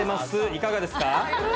いかがですか？